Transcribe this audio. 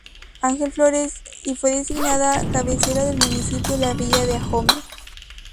Ángel Flores, y fue designada cabecera del municipio La Villa de Ahome.